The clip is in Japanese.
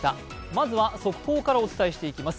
まずは速報からお伝えしていきます。